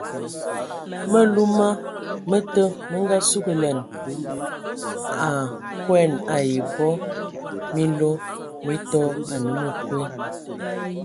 Məluməna mə te mə ngasugəlan a koɛn ai abɔ minlo mi tɔ anə məkwe.